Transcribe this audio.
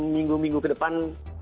minggu minggu ke depan